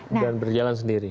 dan berjalan sendiri